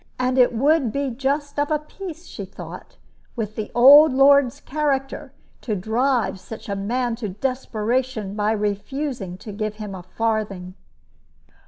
And it would be just of a piece, she thought, with the old lord's character to drive such a man to desperation by refusing to give him a farthing.